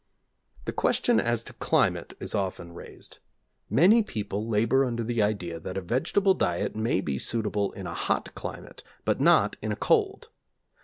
The question as to climate is often raised; many people labour under the idea that a vegetable diet may be suitable in a hot climate, but not in a cold.